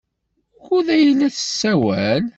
Wukud ay la tessawal?